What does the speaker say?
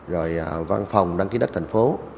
rồi văn phòng đăng ký đất thành phố